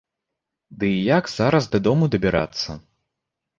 Ды і як зараз дадому дабірацца?